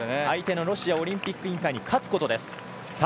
相手のロシアオリンピック委員会に勝つことです。